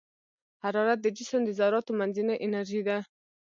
حرارت د جسم د ذراتو منځنۍ انرژي ده.